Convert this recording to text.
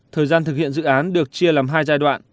thời gian thực hiện dự án được chia làm hai giai đoạn